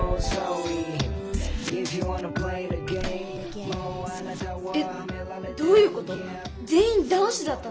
そういうこと。